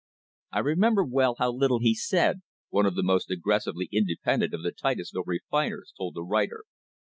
"I remember well how little he said," one of the most aggressively independent of the Titusville refiners told the writer.